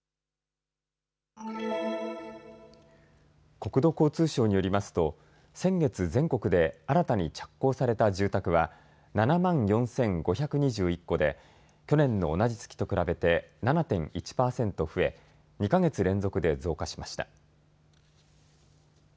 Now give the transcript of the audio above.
国土交通省によりますと先月、全国で新たに着工された住宅は７万４５２１戸で去年の同じ月と比べて７．１％増え２か月連続で増加しました。